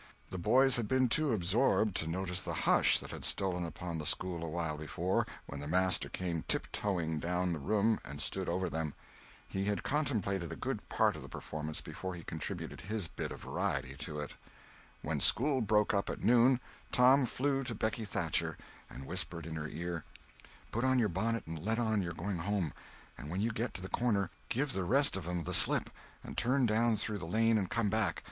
The boys had been too absorbed to notice the hush that had stolen upon the school awhile before when the master came tiptoeing down the room and stood over them. He had contemplated a good part of the performance before he contributed his bit of variety to it. When school broke up at noon, Tom flew to Becky Thatcher, and whispered in her ear: "Put on your bonnet and let on you're going home; and when you get to the corner, give the rest of 'em the slip, and turn down through the lane and come back.